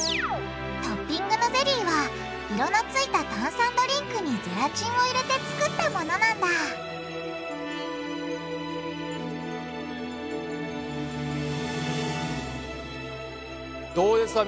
トッピングのゼリーは色のついた炭酸ドリンクにゼラチンを入れて作ったものなんだどうですか？